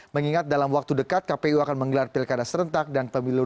mengingat dalam waktu dekat kpu akan menggelar pilkada serentak dan pemilu dua ribu dua puluh